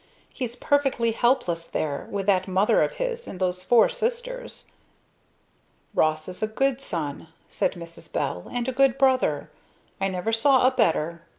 "He's perfectly helpless there, with that mother of his and those four sisters." "Ross is a good son," said Mrs. Bell, "and a good brother. I never saw a better.